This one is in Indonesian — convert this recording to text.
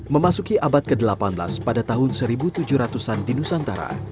memasuki abad ke delapan belas pada tahun seribu tujuh ratus an di nusantara